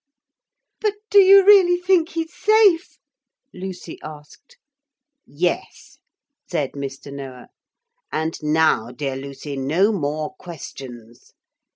'But do you really think he's safe?' Lucy asked. 'Yes,' said Mr. Noah. 'And now, dear Lucy, no more questions.